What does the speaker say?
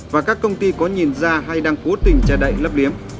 và các công ty có nhìn ra hay đang cố tình che đậy lấp điếm